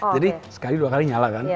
jadi sekali dua kali nyala kan